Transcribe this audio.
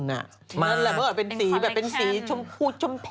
นั่นแหละเมื่อเป็นสีแบบเป็นสีชมพูชมพู